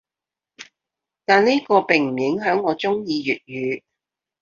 但呢個並唔影響我中意粵語‘